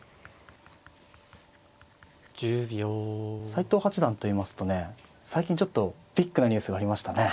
斎藤八段といいますとね最近ちょっとビッグなニュースがありましたね。